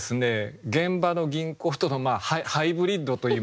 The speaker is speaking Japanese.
現場の吟行とのハイブリッドといいますか。